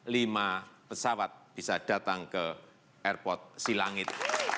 lima pesawat bisa datang ke airport silangit